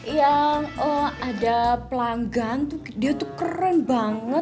ya ada pelanggan tuh dia tuh keren banget